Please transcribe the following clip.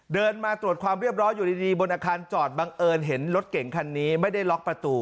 เดินมาตรวจความเรียบร้อยอยู่ดีบนอาคารจอดบังเอิญเห็นรถเก่งคันนี้ไม่ได้ล็อกประตู